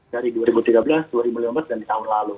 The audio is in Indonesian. dari dua ribu tiga belas dua ribu lima belas dan di tahun lalu